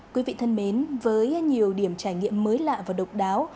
quý vị thân mến với nhiều điểm trải nghiệm mới lạ và độc đáo